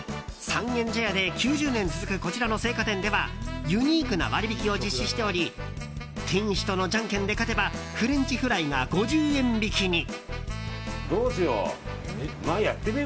三軒茶屋で９０年続くこちらの青果店ではユニークな割引を実施しており店主とのジャンケンで勝てばフレンチフライが５０円引きに。